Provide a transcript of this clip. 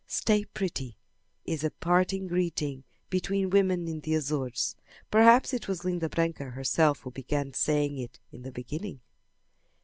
"Stay pretty," is a parting greeting between women in the Azores. Perhaps it was Linda Branca herself who began saying it in the beginning.